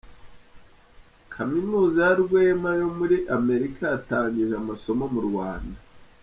Kaminuza Yarwema yo muri Amerika yatangije amasomo mu Rwanda